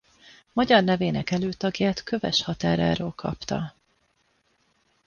Magyar nevének előtagját köves határáról kapta.